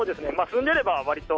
住んでれば、割と。